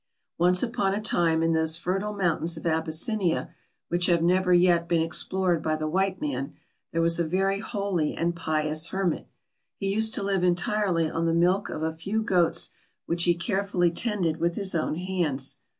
Once upon a time in those fertile mountains of Abyssinia which have never yet been explored by the white man, there was a very holy and pious hermit. He used to live entirely on the milk of a few goats which he carefully tended with his own hands.